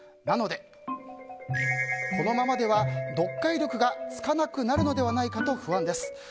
なので、このままでは読解力がつかなくなるのではないかと不安です。